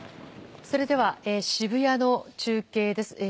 それでは、渋谷の中継です。